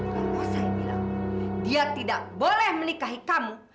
kalau saya bilang dia tidak boleh menikahi kamu